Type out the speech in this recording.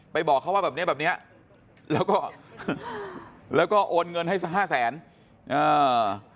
บอกเขาว่าแบบเนี้ยแบบเนี้ยแล้วก็แล้วก็โอนเงินให้สักห้าแสนอ่า